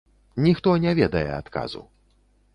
Ніхто не ведае адказу.